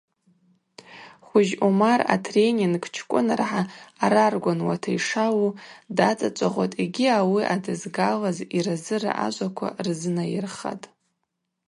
Хвыжь Умар атренинг чкӏвыныргӏа араргвануата йшаъу дацӏачӏвагъватӏ йгьи ауи адызгалыз йразыра ажваква рзынайырхатӏ.